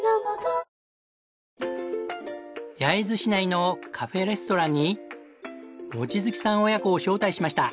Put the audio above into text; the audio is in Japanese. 焼津市内のカフェレストランに望月さん親子を招待しました。